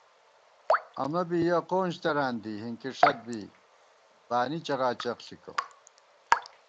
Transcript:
امہ بی یَہ قونج تران دی، ہِنکِی ݭت بی بانی چغاچغ ݪِکہ